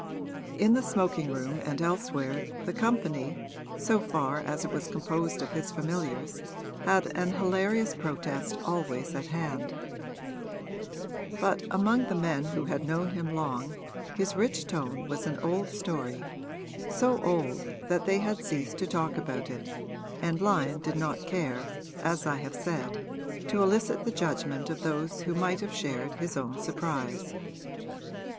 In the smoking room and elsewhere the company, so far as it was composed of his familiars, had an hilarious protest always at hand; but among the men who had known him long his rich tone was an old story, so old that they had ceased to talk about it, and Lyon did not care, as I have said, to elicit the judgment of those who might have shared his own surprise.